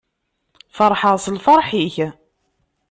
Ferḥeɣ s lferḥ-ik.